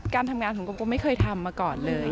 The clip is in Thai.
การทำงานของโกโกไม่เคยทำมาก่อนเลย